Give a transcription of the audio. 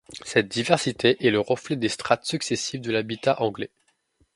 Cette diversité est le reflet des strates successives de l'habitat anglais.